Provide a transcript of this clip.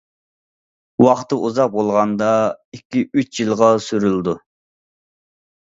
ۋاقتى ئۇزاق بولغاندا ئىككى ئۈچ يىلغا سۈرۈلىدۇ.